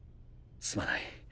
すまない。